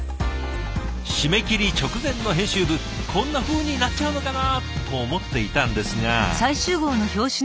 締め切り直前の編集部こんなふうになっちゃうのかな？と思っていたんですが。